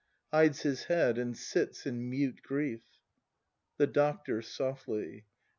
[Hides his head, and sits in mute grief. The Doctor. [Softly.